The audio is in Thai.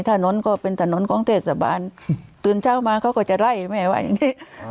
ถนนก็เป็นถนนของเทศบาลตื่นเช้ามาเขาก็จะไล่แม่ว่าอย่างนี้